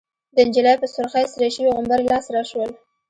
د نجلۍ په سرخۍ سره شوي غومبري لاسره شول.